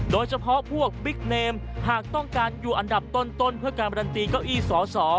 โดยเฉพาะพวกบิ๊กเนมหากต้องการอยู่อันดับต้นเพื่อการันตีเก้าอี้สอสอ